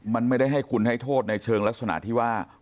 มันไม่ได้ให้คุณให้โทษในเชิงลักษณะที่ว่า